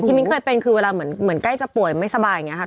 มิ้นเคยเป็นคือเวลาเหมือนใกล้จะป่วยไม่สบายอย่างนี้ค่ะ